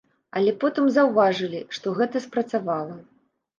Але потым заўважылі, што гэта спрацавала.